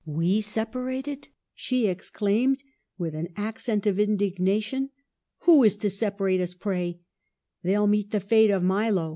we separated !' she ex claimed, with an accent of indignation. 'Who is to separate us, pray! They'll meet the fate of Milo.